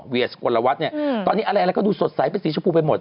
เวียสกวนละวัดเนี่ยอืมตอนนี้อะไรอะไรก็ดูสดใสเป็นสีชะพูไปหมด